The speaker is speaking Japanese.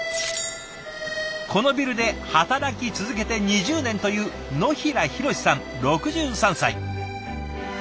このビルで働き続けて２０年という野平裕嗣さん６３歳。